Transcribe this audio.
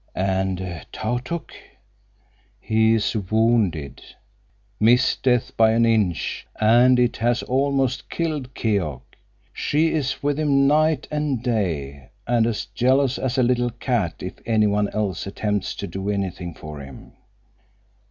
"And Tautuk?" "He is wounded. Missed death by an inch, and it has almost killed Keok. She is with him night and day, and as jealous as a little cat if anyone else attempts to do anything for him."